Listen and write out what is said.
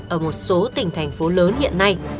ở một số tỉnh thành phố lớn hiện nay